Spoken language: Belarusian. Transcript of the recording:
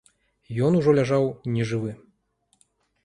Ён ужо ляжаў нежывы.